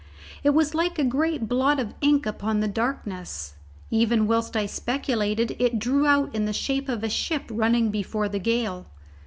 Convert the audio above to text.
It was like a great blot of ink upon the darkness. Even whilst I speculated, it drew out in the shape of a ship running before the gale.